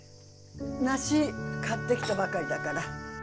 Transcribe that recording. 梨買ってきたばかりだから。